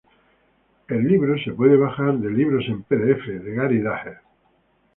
El libro se lo puede bajar de Libros en Acrobat de Gary Daher.